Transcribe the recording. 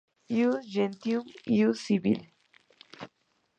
Ius Gentium, Ius civile.